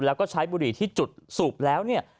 แล้วก็ใช้บุหรี่ที่จุดสูบแล้วเนี่ย